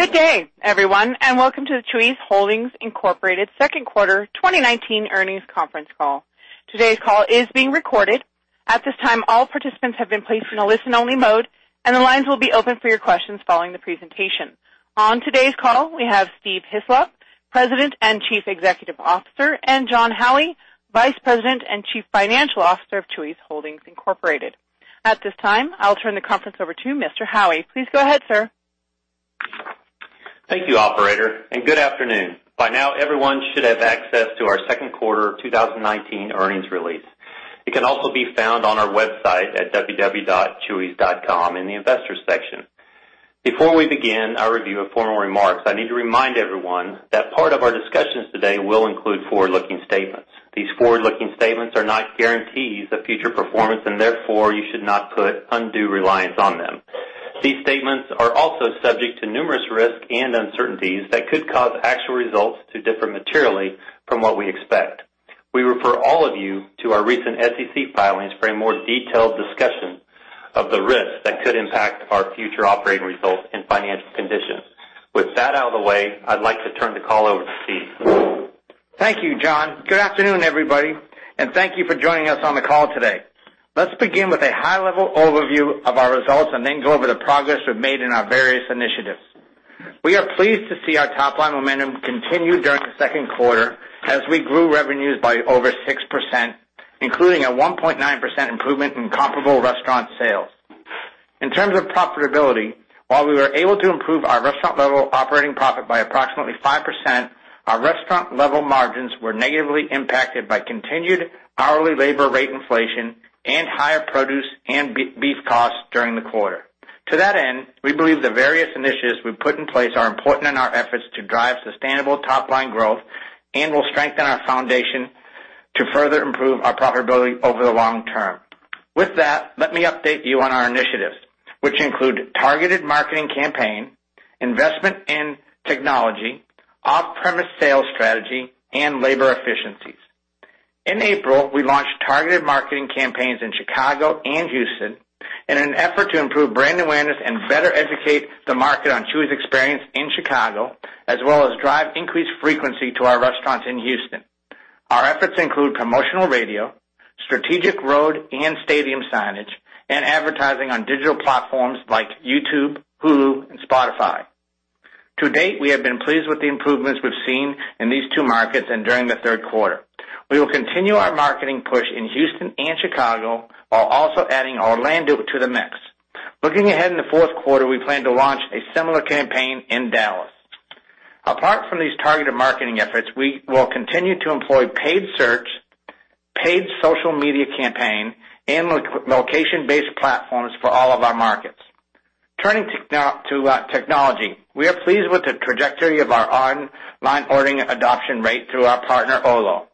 Good day, everyone, and welcome to the Chuy's Holdings, Inc. second quarter 2019 earnings conference call. Today's call is being recorded. At this time, all participants have been placed in a listen-only mode, and the lines will be open for your questions following the presentation. On today's call, we have Steve Hislop, President and Chief Executive Officer, and Jon Howie, Vice President and Chief Financial Officer of Chuy's Holdings, Inc.. At this time, I'll turn the conference over to Mr. Howie. Please go ahead, sir. Thank you, operator, and good afternoon. By now, everyone should have access to our second quarter 2019 earnings release. It can also be found on our website at chuys.com in the Investors section. Before we begin our review of formal remarks, I need to remind everyone that part of our discussions today will include forward-looking statements. These forward-looking statements are not guarantees of future performance, and therefore, you should not put undue reliance on them. These statements are also subject to numerous risks and uncertainties that could cause actual results to differ materially from what we expect. We refer all of you to our recent SEC filings for a more detailed discussion of the risks that could impact our future operating results and financial conditions. With that out of the way, I'd like to turn the call over to Steve. Thank you, Jon. Good afternoon, everybody, and thank you for joining us on the call today. Let's begin with a high-level overview of our results and then go over the progress we've made in our various initiatives. We are pleased to see our top-line momentum continue during the second quarter as we grew revenues by over 6%, including a 1.9% improvement in comparable restaurant sales. In terms of profitability, while we were able to improve our restaurant-level operating profit by approximately 5%, our restaurant-level margins were negatively impacted by continued hourly labor rate inflation and higher produce and beef costs during the quarter. To that end, we believe the various initiatives we've put in place are important in our efforts to drive sustainable top-line growth and will strengthen our foundation to further improve our profitability over the long term. With that, let me update you on our initiatives, which include targeted marketing campaign, investment in technology, off-premise sales strategy, and labor efficiencies. In April, we launched targeted marketing campaigns in Chicago and Houston in an effort to improve brand awareness and better educate the market on Chuy's experience in Chicago, as well as drive increased frequency to our restaurants in Houston. Our efforts include promotional radio, strategic road and stadium signage, and advertising on digital platforms like YouTube, Hulu, and Spotify. To date, we have been pleased with the improvements we've seen in these two markets and during the third quarter. We will continue our marketing push in Houston and Chicago while also adding Orlando to the mix. Looking ahead in the fourth quarter, we plan to launch a similar campaign in Dallas. Apart from these targeted marketing efforts, we will continue to employ paid search, paid social media campaign, and location-based platforms for all of our markets. Turning to technology, we are pleased with the trajectory of our online ordering adoption rate through our partner Olo.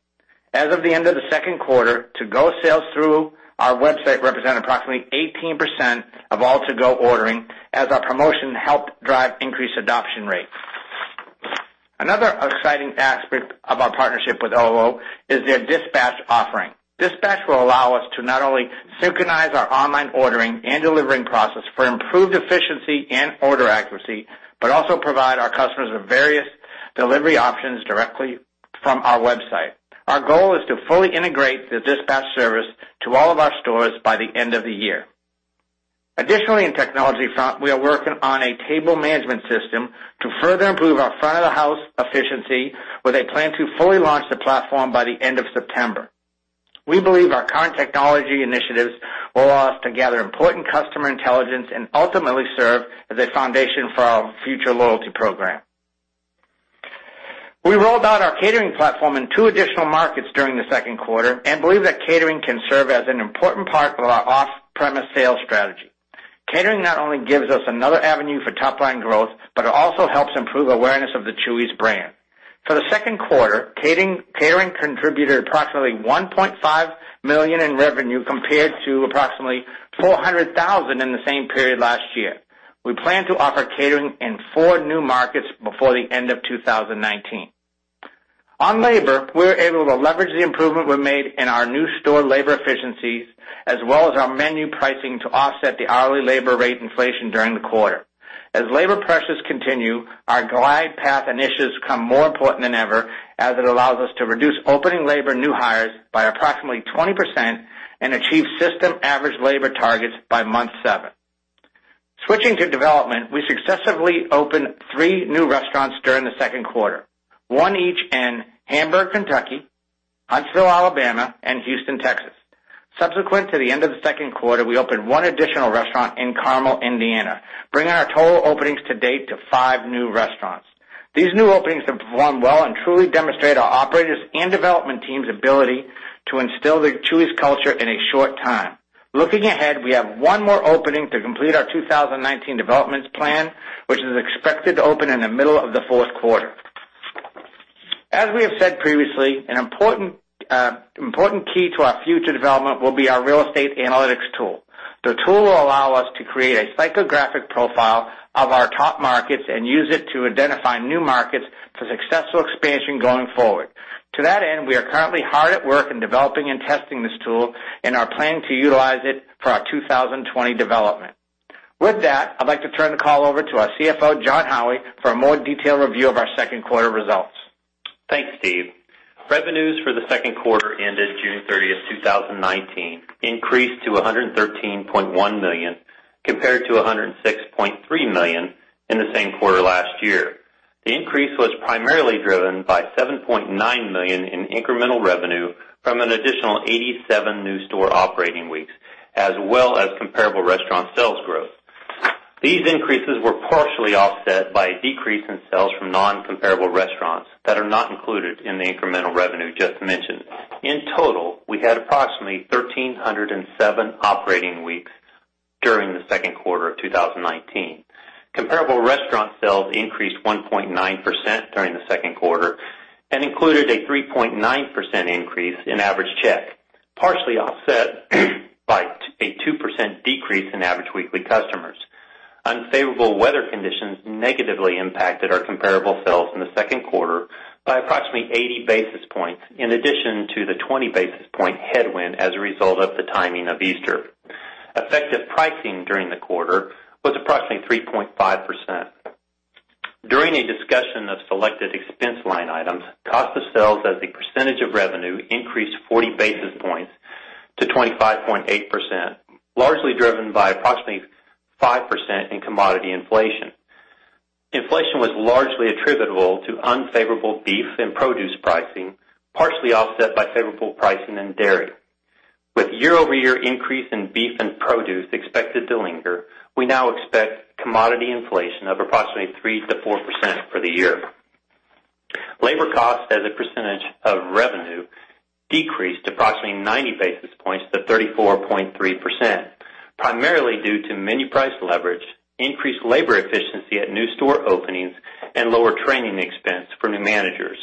As of the end of the second quarter, To-Go sales through our website represent approximately 18% of all To-Go ordering as our promotion helped drive increased adoption rates. Another exciting aspect of our partnership with Olo is their Dispatch offering. Dispatch will allow us to not only synchronize our online ordering and delivering process for improved efficiency and order accuracy, but also provide our customers with various delivery options directly from our website. Our goal is to fully integrate the Dispatch service to all of our stores by the end of the year. Additionally, in technology front, we are working on a table management system to further improve our front of the house efficiency, with a plan to fully launch the platform by the end of September. We believe our current technology initiatives will allow us to gather important customer intelligence and ultimately serve as a foundation for our future loyalty program. We rolled out our catering platform in two additional markets during the second quarter and believe that catering can serve as an important part of our off-premise sales strategy. Catering not only gives us another avenue for top-line growth, but it also helps improve awareness of the Chuy's brand. For the second quarter, catering contributed approximately $1.5 million in revenue compared to approximately $400,000 in the same period last year. We plan to offer catering in four new markets before the end of 2019. On labor, we were able to leverage the improvement we made in our new store labor efficiencies as well as our menu pricing to offset the hourly labor rate inflation during the quarter. As labor pressures continue, our glide path initiatives become more important than ever, as it allows us to reduce opening labor new hires by approximately 20% and achieve system average labor targets by month seven. Switching to development, we successfully opened three new restaurants during the second quarter, one each in Hamburg, Kentucky, Huntsville, Alabama, and Houston, Texas. Subsequent to the end of the second quarter, we opened one additional restaurant in Carmel, Indiana, bringing our total openings to date to five new restaurants. These new openings have performed well and truly demonstrate our operators' and development team's ability to instill the Chuy's culture in a short time. Looking ahead, we have one more opening to complete our 2019 developments plan, which is expected to open in the middle of the fourth quarter. As we have said previously, an important key to our future development will be our real estate analytics tool. The tool will allow us to create a psychographic profile of our top markets and use it to identify new markets for successful expansion going forward. To that end, we are currently hard at work in developing and testing this tool and are planning to utilize it for our 2020 development. With that, I'd like to turn the call over to our CFO, Jon Howie, for a more detailed review of our second quarter results. Thanks, Steve. Revenues for the second quarter ended June 30th, 2019, increased to $113.1 million compared to $106.3 million in the same quarter last year. The increase was primarily driven by $7.9 million in incremental revenue from an additional 87 new store operating weeks, as well as comparable restaurant sales growth. These increases were partially offset by a decrease in sales from non-comparable restaurants that are not included in the incremental revenue just mentioned. In total, we had approximately 1,307 operating weeks during the second quarter of 2019. Comparable restaurant sales increased 1.9% during the second quarter and included a 3.9% increase in average check, partially offset by a 2% decrease in average weekly customers. Unfavorable weather conditions negatively impacted our comparable sales in the second quarter by approximately 80 basis points, in addition to the 20 basis point headwind as a result of the timing of Easter. Effective pricing during the quarter was approximately 3.5%. During a discussion of selected expense line items, cost of sales as a percentage of revenue increased 40 basis points to 25.8%, largely driven by approximately 5% in commodity inflation. Inflation was largely attributable to unfavorable beef and produce pricing, partially offset by favorable pricing in dairy. With year-over-year increase in beef and produce expected to linger, we now expect commodity inflation of approximately 3%-4% for the year. Labor cost as a percentage of revenue decreased approximately 90 basis points to 34.3%, primarily due to menu price leverage, increased labor efficiency at new store openings, and lower training expense for new managers.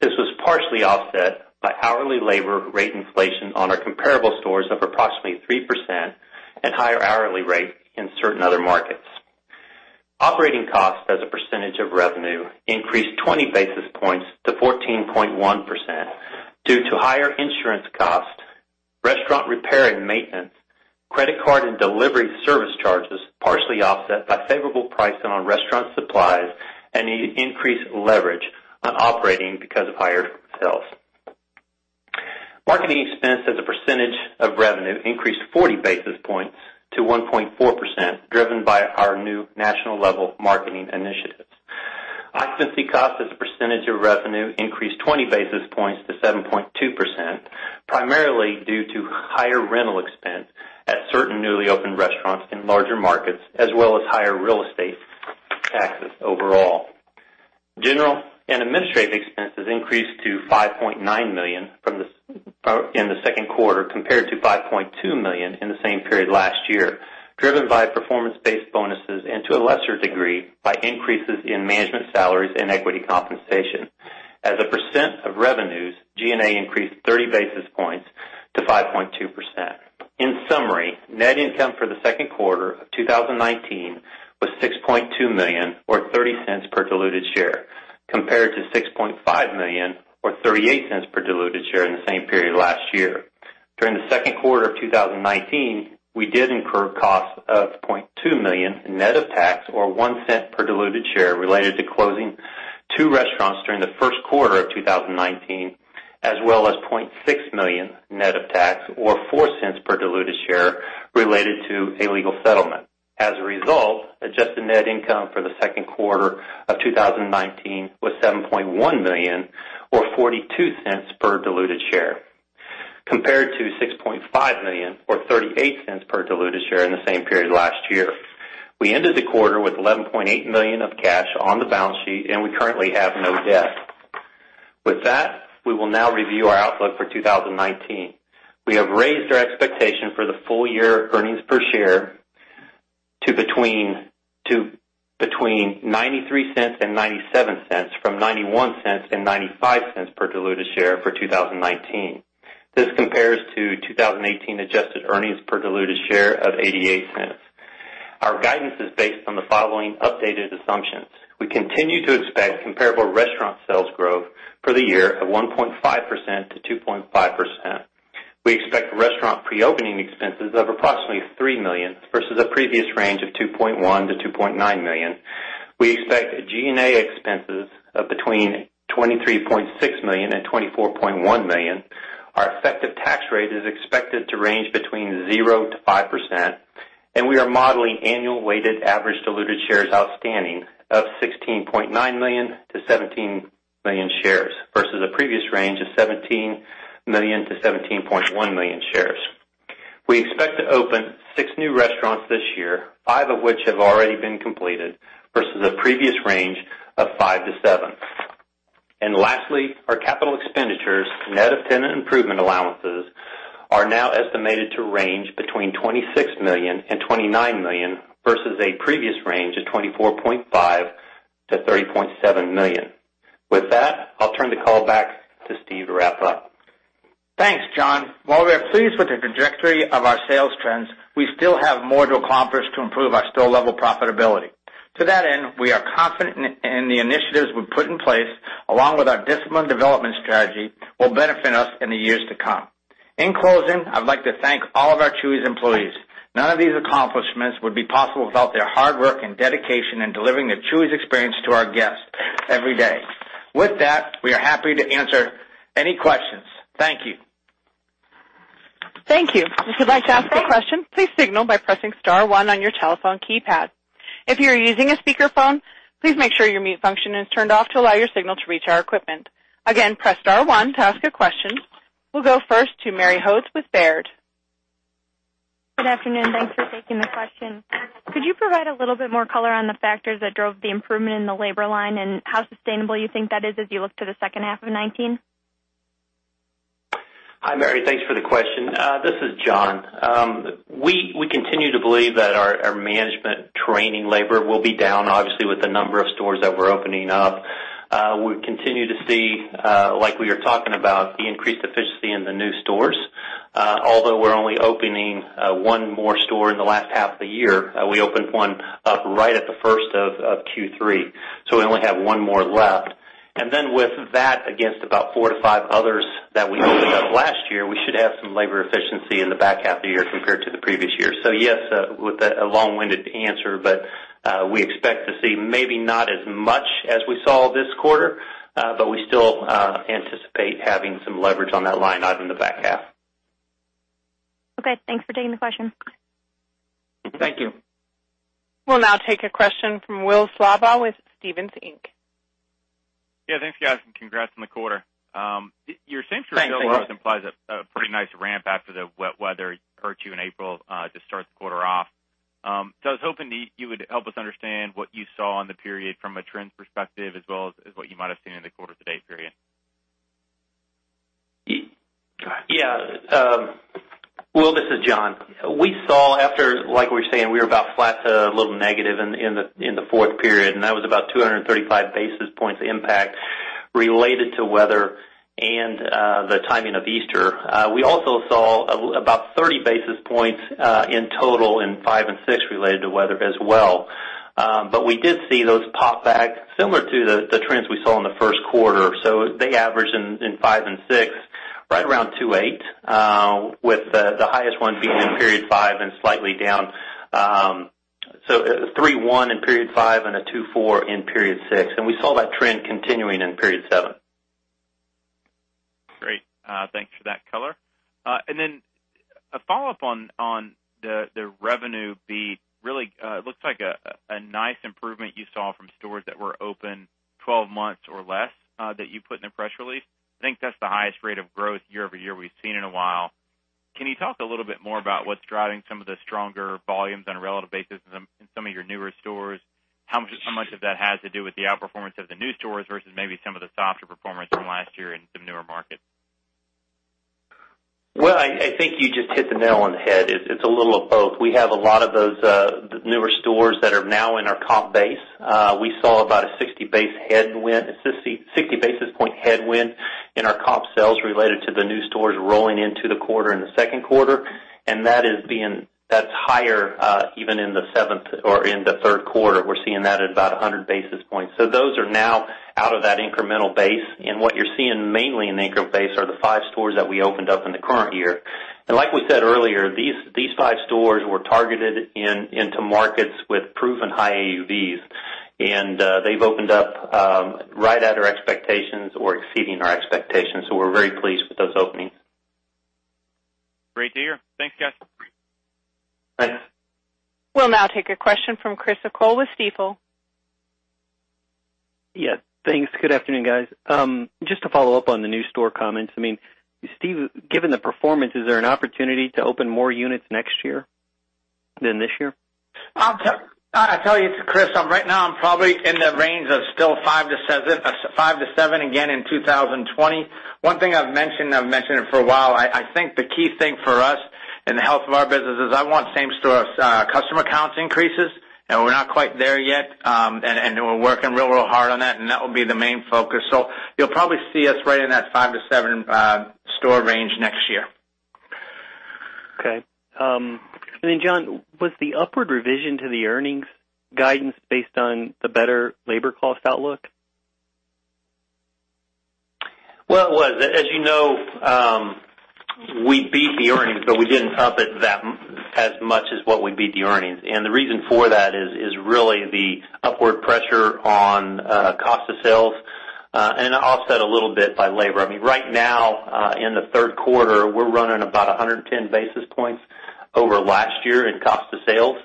This was partially offset by hourly labor rate inflation on our comparable stores of approximately 3% and higher hourly rate in certain other markets. Operating costs as a percentage of revenue increased 20 basis points to 14.1% due to higher insurance cost, restaurant repair and maintenance, credit card and delivery service charges, partially offset by favorable pricing on restaurant supplies and increased leverage on operating because of higher sales. Marketing expense as a percentage of revenue increased 40 basis points to 1.4%, driven by our new national-level marketing initiatives. Occupancy cost as a percentage of revenue increased 20 basis points to 7.2%, primarily due to higher rental expense at certain newly opened restaurants in larger markets, as well as higher real estate taxes overall. General and administrative expenses increased to $5.9 million in the second quarter compared to $5.2 million in the same period last year, driven by performance-based bonuses and, to a lesser degree, by increases in management salaries and equity compensation. As a percent of revenues, G&A increased 30 basis points to 5.2%. In summary, net income for the second quarter of 2019 was $6.2 million, or $0.30 per diluted share, compared to $6.5 million or $0.38 per diluted share in the same period last year. During the second quarter of 2019, we did incur costs of $0.2 million in net of tax, or $0.01 per diluted share, related to closing two restaurants during the first quarter of 2019, as well as $0.6 million net of tax or $0.04 per diluted share related to a legal settlement. As a result, adjusted net income for the second quarter of 2019 was $7.1 million or $0.42 per diluted share, compared to $6.5 million or $0.38 per diluted share in the same period last year. We ended the quarter with $11.8 million of cash on the balance sheet. We currently have no debt. With that, we will now review our outlook for 2019. We have raised our expectation for the full year earnings per share to between $0.93 and $0.97, from $0.91 and $0.95 per diluted share for 2019. This compares to 2018 adjusted earnings per diluted share of $0.88. Our guidance is based on the following updated assumptions. We continue to expect comparable restaurant sales growth for the year of 1.5%-2.5%. We expect restaurant pre-opening expenses of approximately $3 million versus a previous range of $2.1 million-$2.9 million. We expect G&A expenses of between $23.6 million and $24.1 million. Our effective tax rate is expected to range between 0%-5%. We are modeling annual weighted average diluted shares outstanding of 16.9 million-17 million shares versus a previous range of 17 million-17.1 million shares. We expect to open six new restaurants this year, five of which have already been completed, versus a previous range of five to seven. Lastly, our capital expenditures, net of tenant improvement allowances, are now estimated to range between $26 million and $29 million versus a previous range of $24.5 million to $30.7 million. With that, I'll turn the call back to Steve to wrap up. Thanks, Jon. While we are pleased with the trajectory of our sales trends, we still have more to accomplish to improve our store-level profitability. To that end, we are confident in the initiatives we've put in place, along with our disciplined development strategy, will benefit us in the years to come. In closing, I'd like to thank all of our Chuy's employees. None of these accomplishments would be possible without their hard work and dedication in delivering the Chuy's experience to our guests every day. With that, we are happy to answer any questions. Thank you. Thank you. If you'd like to ask a question, please signal by pressing star one on your telephone keypad. If you are using a speakerphone, please make sure your mute function is turned off to allow your signal to reach our equipment. Again, press star one to ask a question. We'll go first to Mary Hodes with Baird. Good afternoon. Thanks for taking the question. Could you provide a little bit more color on the factors that drove the improvement in the labor line and how sustainable you think that is as you look to the second half of 2019? Hi, Mary. Thanks for the question. This is Jon. We continue to believe that our management training labor will be down, obviously, with the number of stores that we're opening up. We continue to see, like we were talking about, the increased efficiency in the new stores. Although we're only opening one more store in the last half of the year. We opened one up right at the first of Q3, so we only have one more left. Then with that, against about four to five others that we opened up last year, we should have some labor efficiency in the back half of the year compared to the previous year. Yes, a long-winded answer, but we expect to see maybe not as much as we saw this quarter, but we still anticipate having some leverage on that line out in the back half. Okay. Thanks for taking the question. Thank you. We'll now take a question from Will Slabaugh with Stephens Inc. Yeah. Thanks, guys, and congrats on the quarter. Thanks, Will. Your same-store sales growth implies a pretty nice ramp after the wet weather hurt you in April to start the quarter off. I was hoping that you would help us understand what you saw on the period from a trends perspective, as well as what you might have seen in the quarter-to-date period? Will, this is Jon. We saw after, like we were saying, we were about flat to a little negative in the fourth period, and that was about 235 basis points impact related to weather and the timing of Easter. We also saw about 30 basis points, in total, in period 5 and 6 related to weather as well. We did see those pop back similar to the trends we saw in the first quarter. They averaged in period 5 and 6, right around 2.8, with the highest one being in period 5 and slightly down. 3.1 in period 5 and a 2.4 in period 6. We saw that trend continuing in period 7. Great. Thanks for that color. A follow-up on the revenue beat. Really looks like a nice improvement you saw from stores that were open 12 months or less that you put in the press release. I think that's the highest rate of growth year-over-year we've seen in a while. Can you talk a little bit more about what's driving some of the stronger volumes on a relative basis in some of your newer stores? How much of that has to do with the outperformance of the new stores versus maybe some of the softer performance from last year in some newer markets? Well, I think you just hit the nail on the head. It's a little of both. We have a lot of those newer stores that are now in our comp base. We saw about a 60 basis point headwind in our comp sales related to the new stores rolling into the quarter in the second quarter. That's higher even in the third quarter. We're seeing that at about 100 basis points. Those are now out of that incremental base. What you're seeing mainly in the incremental base are the five stores that we opened up in the current year. Like we said earlier, these five stores were targeted into markets with proven high AUVs, and they've opened up right at our expectations or exceeding our expectations. We're very pleased with those openings. Great to hear. Thanks, guys. Thanks. We'll now take a question from Chris O'Cull with Stifel. Yes, thanks. Good afternoon, guys. Just to follow up on the new store comments. Steve, given the performance, is there an opportunity to open more units next year than this year? I'll tell you, Chris, right now, I'm probably in the range of still five to seven again in 2020. One thing I've mentioned, and I've mentioned it for a while, I think the key thing for us in the health of our business is I want same-store customer counts increases. We're not quite there yet. We're working real hard on that, and that will be the main focus. You'll probably see us right in that five to seven store range next year. Okay. Jon, was the upward revision to the earnings guidance based on the better labor cost outlook? Well, it was. As you know, we beat the earnings, but we didn't up it as much as what we beat the earnings. The reason for that is really the upward pressure on cost of sales, and offset a little bit by labor. Right now, in the third quarter, we're running about 110 basis points over last year in cost of sales,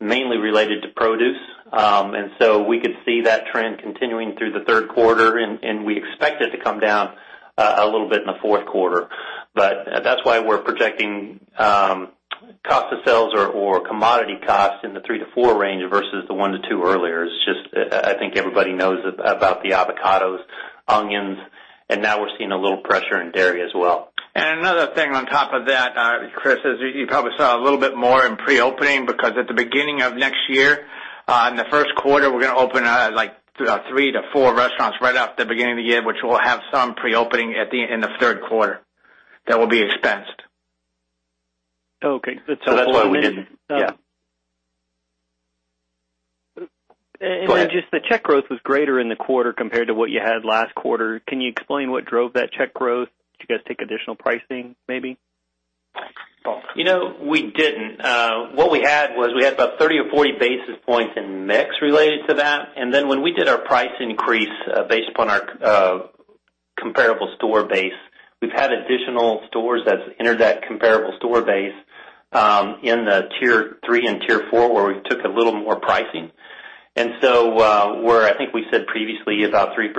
mainly related to produce. We could see that trend continuing through the third quarter, and we expect it to come down a little bit in the fourth quarter. That's why we're projecting cost of sales or commodity costs in the 3%-4% range versus the 1%-2% earlier. It's just I think everybody knows about the avocados, onions, and now we're seeing a little pressure in dairy as well. Another thing on top of that, Chris, is you probably saw a little bit more in pre-opening, because at the beginning of next year. In the first quarter, we're going to open three to four restaurants right off the beginning of the year, which will have some pre-opening in the third quarter that will be expensed. Okay. That's why we didn't. Yeah. And then- Go ahead. Just the check growth was greater in the quarter compared to what you had last quarter. Can you explain what drove that check growth? Did you guys take additional pricing, maybe? Paul. We didn't. What we had was about 30 or 40 basis points in mix related to that. Then when we did our price increase based upon our comparable store base, we've had additional stores that's entered that comparable store base in the tier 3 and tier 4, where we took a little more pricing. Where I think we said previously about 3%,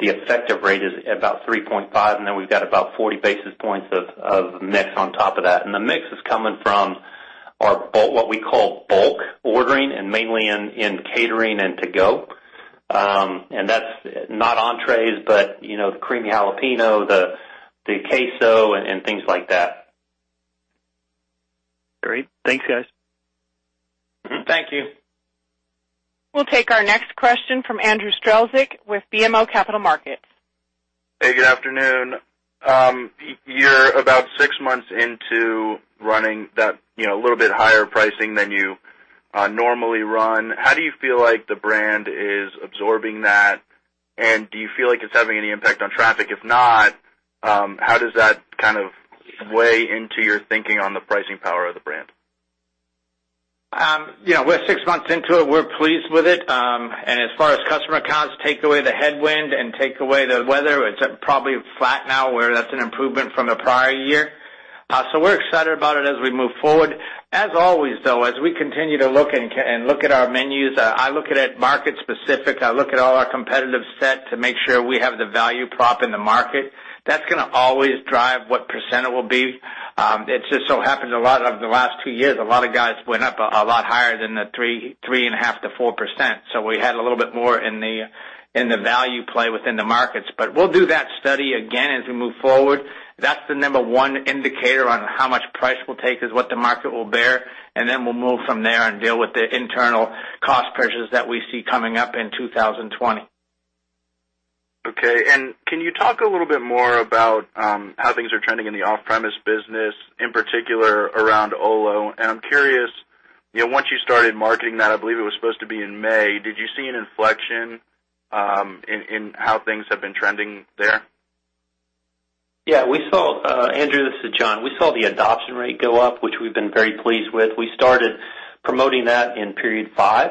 the effective rate is about 3.5%, then we've got about 40 basis points of mix on top of that. The mix is coming from what we call bulk ordering, mainly in catering and To-Go. That's not entrees, but the Creamy Jalapeño, the Queso, and things like that. Great. Thanks, guys. Thank you. We'll take our next question from Andrew Strelzik with BMO Capital Markets. Hey, good afternoon. You're about six months into running that little bit higher pricing than you normally run. How do you feel like the brand is absorbing that? Do you feel like it's having any impact on traffic? If not, how does that kind of weigh into your thinking on the pricing power of the brand? We're six months into it. We're pleased with it. As far as customer counts, take away the headwind and take away the weather, it's probably flat now, where that's an improvement from the prior year. We're excited about it as we move forward. As always, though, as we continue to look and look at our menus, I look at it market specific. I look at all our competitive set to make sure we have the value prop in the market. That's going to always drive what % it will be. It just so happens a lot of the last two years, a lot of guys went up a lot higher than the 3.5%-4%. We had a little bit more in the value play within the markets. We'll do that study again as we move forward. That's the number 1 indicator on how much price we'll take is what the market will bear, and then we'll move from there and deal with the internal cost pressures that we see coming up in 2020. Okay. Can you talk a little bit more about how things are trending in the off-premise business, in particular around Olo? I'm curious, once you started marketing that, I believe it was supposed to be in May, did you see an inflection in how things have been trending there? Yeah. Andrew, this is Jon. We saw the adoption rate go up, which we've been very pleased with. We started promoting that in period 5.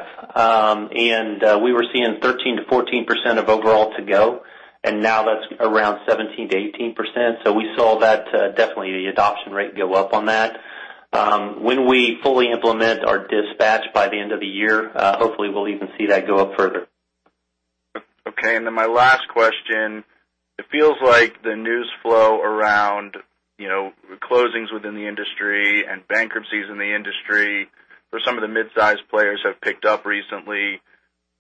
We were seeing 13%-14% of overall To-Go, and now that's around 17%-18%. We saw that definitely the adoption rate go up on that. When we fully implement our Dispatch by the end of the year, hopefully we'll even see that go up further. Okay, my last question. It feels like the news flow around closings within the industry and bankruptcies in the industry for some of the mid-size players have picked up recently.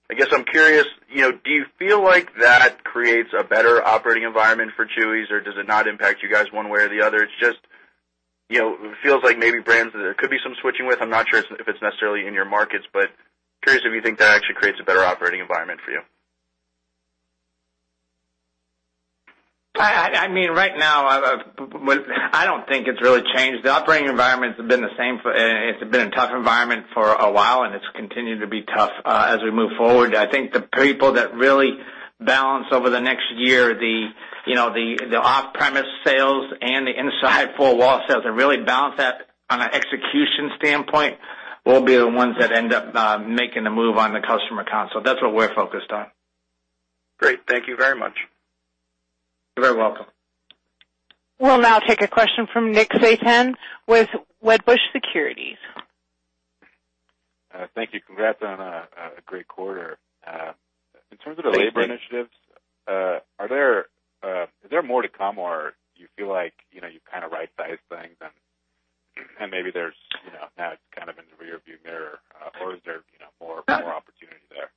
I guess I'm curious, do you feel like that creates a better operating environment for Chuy's, or does it not impact you guys one way or the other? It just feels like maybe brands that there could be some switching with. I'm not sure if it's necessarily in your markets, curious if you think that actually creates a better operating environment for you. Right now, I don't think it's really changed. The operating environment, it's been a tough environment for a while, and it's continued to be tough as we move forward. I think the people that really balance over the next year, the off-premise sales and the inside four wall sales, and really balance that on an execution standpoint, will be the ones that end up making the move on the customer count. That's what we're focused on. Great. Thank you very much. You're very welcome. We'll now take a question from Nick Setyan with Wedbush Securities. Thank you. Congrats on a great quarter. Thank you. In terms of the labor initiatives, is there more to come, or do you feel like you've kind of right-sized things and maybe now it's kind of in the rear-view mirror? Or is there more opportunity there?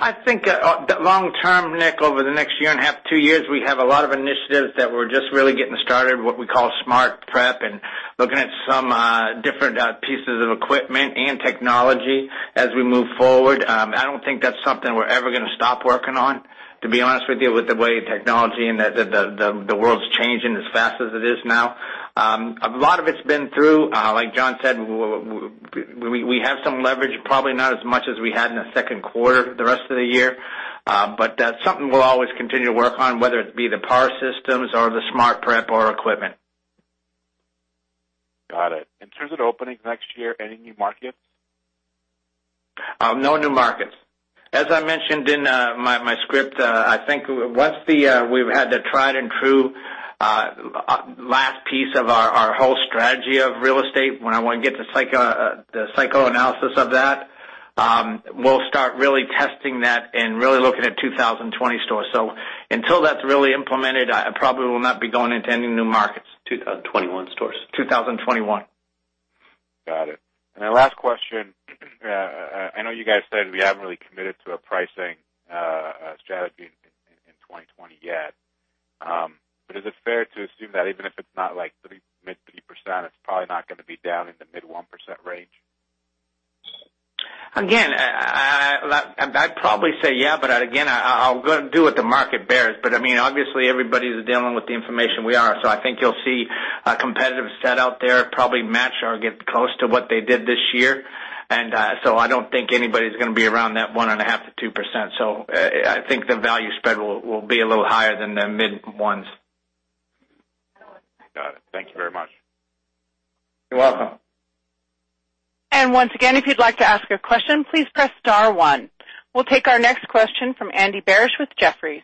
I think long term, Nick, over the next year and a half, two years, we have a lot of initiatives that we're just really getting started, what we call smart prep and looking at some different pieces of equipment and technology as we move forward. I don't think that's something we're ever going to stop working on, to be honest with you, with the way technology and the world's changing as fast as it is now. A lot of it's been through, like Jon said, we have some leverage, probably not as much as we had in the second quarter the rest of the year. That's something we'll always continue to work on, whether it be the power systems or the smart prep or equipment. Got it. In terms of opening next year, any new markets? No new markets. As I mentioned in my script, I think once we've had the tried and true last piece of our whole strategy of real estate, when I want to get to the psychographic analysis of that, we'll start really testing that and really looking at 2020 stores. Until that's really implemented, I probably will not be going into any new markets. 2021 stores. 2021. Got it. Last question. I know you guys said we haven't really committed to a pricing strategy in 2020 yet. Is it fair to assume that even if it's not mid 3%, it's probably not going to be down in the mid 1% range? Again, I'd probably say yeah, but again, I'm going to do what the market bears. Obviously, everybody's dealing with the information we are. I think you'll see a competitive set out there probably match or get close to what they did this year. I don't think anybody's going to be around that 1.5%-2%. I think the value spread will be a little higher than the mid ones. Got it. Thank you very much. You're welcome. Once again, if you'd like to ask a question, please press star one. We'll take our next question from Andy Barish with Jefferies.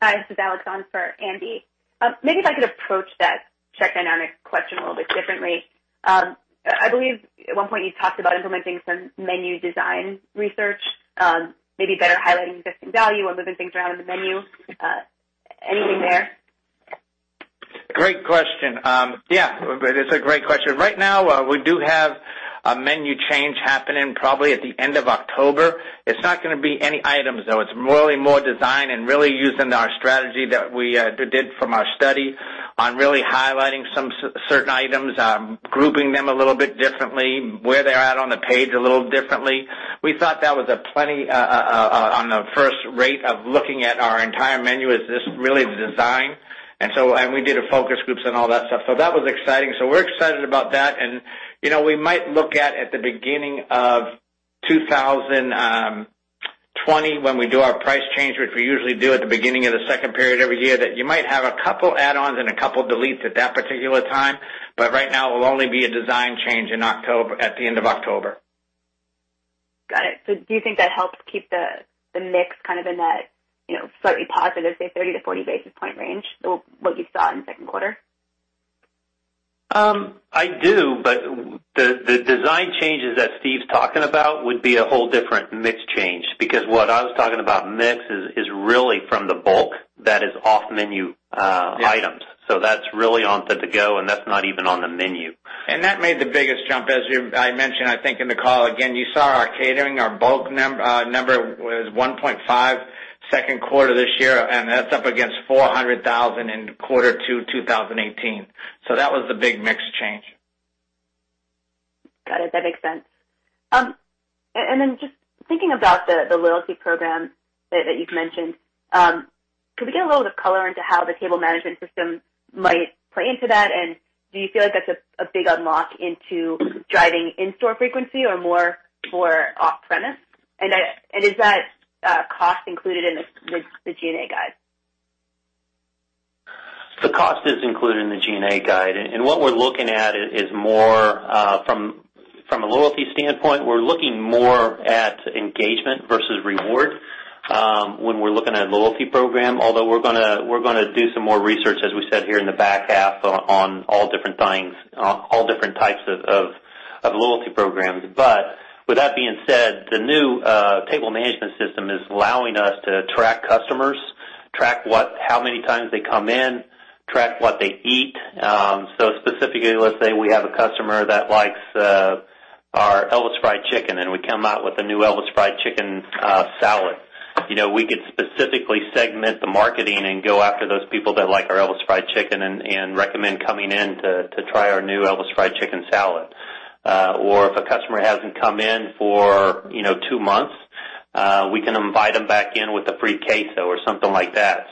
Hi, this is Alex on for Andy. Maybe if I could approach that check dynamic question a little bit differently. I believe at one point you talked about implementing some menu design research, maybe better highlighting existing value and moving things around in the menu. Anything there? Great question. Yeah, that's a great question. Right now, we do have a menu change happening probably at the end of October. It's not going to be any items, though. It's really more design and really using our strategy that we did from our study on really highlighting some certain items, grouping them a little bit differently, where they're at on the page a little differently. We thought that was a plenty on the first rate of looking at our entire menu as just really the design. We did focus groups and all that stuff. That was exciting. We're excited about that. We might look at the beginning of 2020 when we do our price change, which we usually do at the beginning of the second period every year, that you might have a couple add-ons and a couple deletes at that particular time. Right now, it will only be a design change at the end of October. Got it. Do you think that helps keep the mix kind of in that slightly positive, say, 30-40 basis point range, what you saw in the second quarter? I do, the design changes that Steve's talking about would be a whole different mix change because what I was talking about mix is really from the bulk that is off-menu items. That's really on the To-Go and that's not even on the menu. That made the biggest jump, as I mentioned, I think in the call. You saw our catering, our bulk number was $1.5 second quarter this year, and that's up against $400,000 in quarter two 2018. That was the big mix change. Got it. That makes sense. Just thinking about the loyalty program that you've mentioned, could we get a little bit of color into how the table management system might play into that? Do you feel like that's a big unlock into driving in-store frequency or more for off-premise? Is that cost included in the G&A guide? The cost is included in the G&A guide, what we're looking at is more from a loyalty standpoint, we're looking more at engagement versus reward when we're looking at a loyalty program. Although we're going to do some more research, as we said here in the back half, on all different types of loyalty programs. With that being said, the new table management system is allowing us to track customers, track how many times they come in, track what they eat. Specifically, let's say we have a customer that likes our Elvis Fried Chicken, and we come out with a new Elvis Fried Chicken Salad. We could specifically segment the marketing and go after those people that like our Elvis Fried Chicken and recommend coming in to try our new Elvis Fried Chicken Salad. If a customer hasn't come in for two months, we can invite them back in with a free Queso or something like that.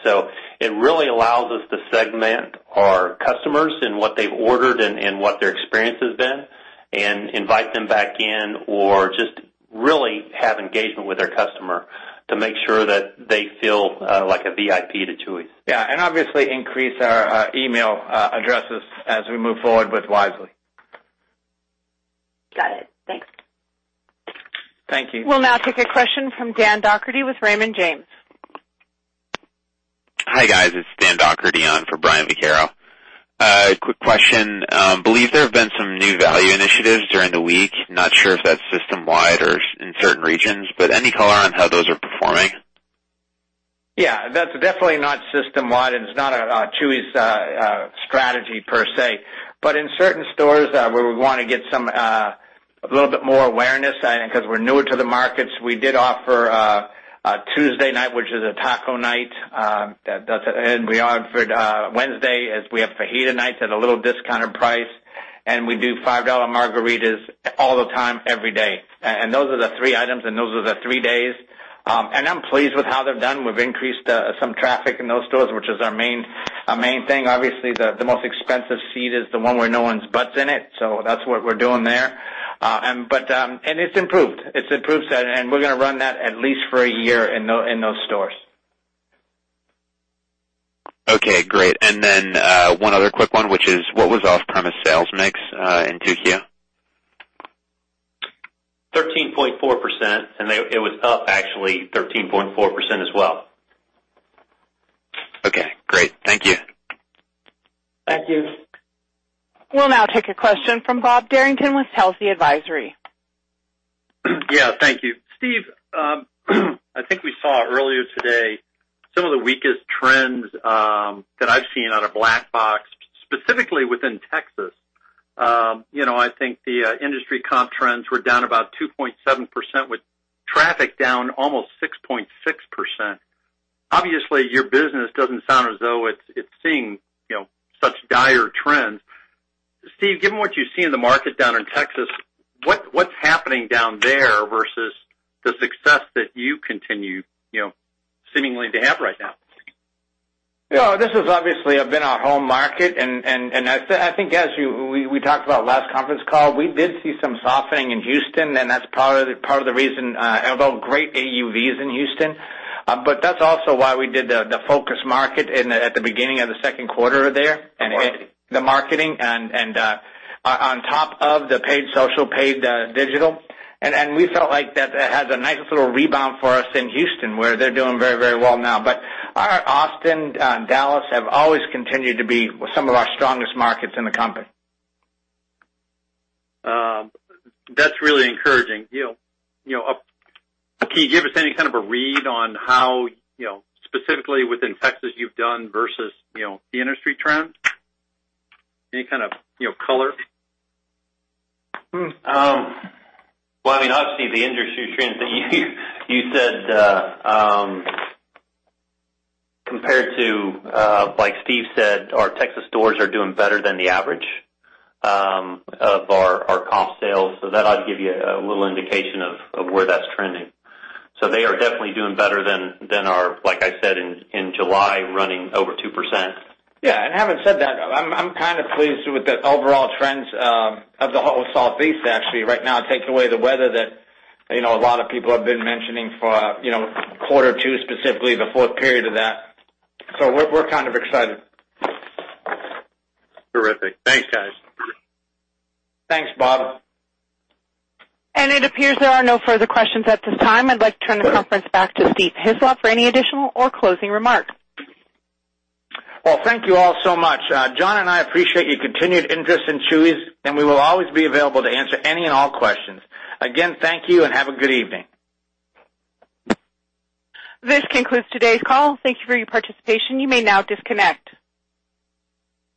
It really allows us to segment our customers and what they've ordered and what their experience has been and invite them back in or just really have engagement with their customer to make sure that they feel like a VIP to Chuy's. Yeah, obviously increase our email addresses as we move forward with Wisely. Got it. Thanks. Thank you. We'll now take a question from Dan Dougherty with Raymond James. Hi, guys. It's Dan Dougherty on for Brian Vaccaro. Quick question. Believe there have been some new value initiatives during the week. Not sure if that's system-wide or in certain regions, but any color on how those are performing? Yeah, that's definitely not system-wide, and it's not a Chuy's strategy per se. In certain stores where we want to get a little bit more awareness because we're newer to the markets, we did offer a Tuesday night, which is a taco night. We offered Wednesday as we have fajita nights at a little discounted price, and we do $5 margaritas all the time, every day. Those are the three items, and those are the three days. I'm pleased with how they've done. We've increased some traffic in those stores, which is our main thing. Obviously, the most expensive seat is the one where no one's butts in it, so that's what we're doing there. It's improved. It's improved, and we're going to run that at least for a year in those stores. Okay, great. Then one other quick one, which is what was off-premise sales mix in 2Q? 13.4%, and it was up actually 13.4% as well. Okay, great. Thank you. Thank you. We'll now take a question from Bob Derrington with Telsey Advisory. Yeah, thank you. Steve, I think we saw earlier today some of the weakest trends that I've seen on a Black Box, specifically within Texas. I think the industry comp trends were down about 2.7% with traffic down almost 6.6%. Obviously, your business doesn't sound as though it's seeing such dire trends. Steve, given what you see in the market down in Texas, what's happening down there versus the success that you continue seemingly to have right now? This is obviously been our home market, and I think as we talked about last conference call, we did see some softening in Houston, and that's part of the reason although great AUVs in Houston. That's also why we did the focus market at the beginning of the second quarter there, the marketing and on top of the paid social, paid digital. We felt like that has a nice little rebound for us in Houston, where they're doing very well now. Our Austin, Dallas have always continued to be some of our strongest markets in the company. That's really encouraging. Can you give us any kind of a read on how, specifically within Texas you've done versus the industry trends? Any kind of color? Well, obviously the industry trends that you said compared to like Steve said, our Texas stores are doing better than the average of our comp sales. That ought to give you a little indication of where that's trending. They are definitely doing better than our, like I said, in July, running over 2%. Yeah. Having said that, I'm kind of pleased with the overall trends of the whole Southeast, actually, right now, take away the weather that a lot of people have been mentioning for a quarter or two, specifically the fourth period of that. We're kind of excited. Terrific. Thanks, guys. Thanks, Bob. It appears there are no further questions at this time. I'd like to turn the conference back to Steve Hislop for any additional or closing remarks. Well, thank you all so much. Jon and I appreciate your continued interest in Chuy's, and we will always be available to answer any and all questions. Again, thank you and have a good evening. This concludes today's call. Thank you for your participation. You may now disconnect.